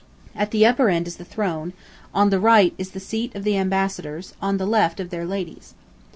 At the upper end is the throne, on the right is the seat of the ambassadors, on the left, of their ladies.